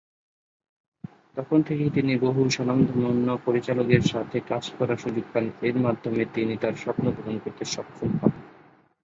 তখন থেকেই তিনি বহু স্বনামধন্য পরিচালকের সাথে কাজ করার সুযোগ পান, এর মাধ্যমে তিনি তার স্বপ্ন পূরণ করতে সক্ষম হন।